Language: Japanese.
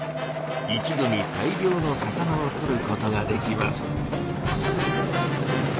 一度に大量の魚をとることができます。